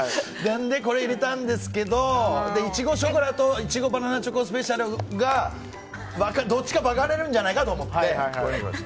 で、これ入れたんですけどいちごショコラといちごバナナチョコスペシャルがどっちか分かれるんじゃないかと思って。